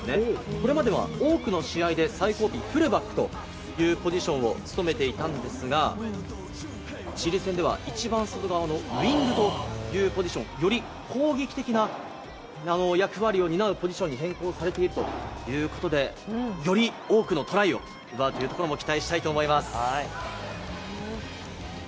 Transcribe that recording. これまでは多くの試合で最後尾、フルバックというポジションを務めていたんですがチリ戦では一番外側のウィングというポジションより攻撃的な役割を担うポジションに変更されているということでより多くのトライを奪うというところも期待したいと思います。